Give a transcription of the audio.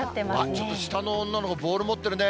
ちょっと下の女の子、ボール持ってるね。